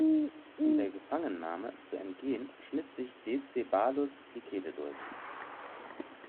Um der Gefangennahme zu entgehen schnitt sich Decebalus die Kehle durch.